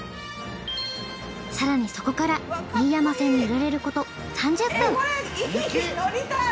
更にそこから飯山線に揺られること３０分。